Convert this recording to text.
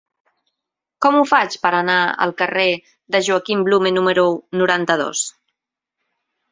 Com ho faig per anar al carrer de Joaquim Blume número noranta-dos?